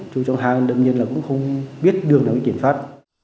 chú trong hang đương nhiên là cũng không biết đường nào có kiểm soát